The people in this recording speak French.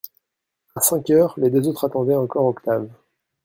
A cinq heures, les deux autres attendaient encore Octave.